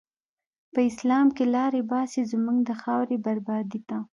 په اسلام کی لاری باسی، زموږ د خاوری بربادی ته